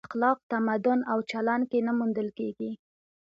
اخلاق تمدن او چلن کې نه موندل کېږي.